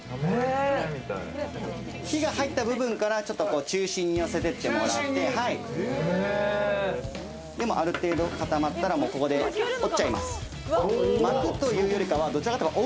火が入った部分から、ちょっと中心に寄せていってもらって、ある程度固まったら、もうここで折っちゃいます。